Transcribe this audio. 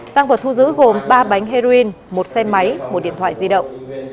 tăng vật thu giữ gồm ba bánh heroin một xe máy một điện thoại di động